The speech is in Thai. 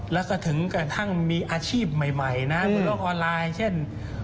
แล้วก็ถึงกระทั่งมีอาชีพใหม่นะบนโลกออนไลน์เช่น